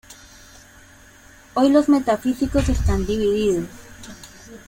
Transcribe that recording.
Hoy los metafísicos están divididos.